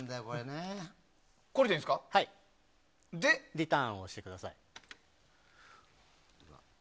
リターンを押してください。